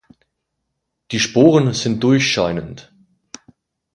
Die Sporen sind durchscheinend.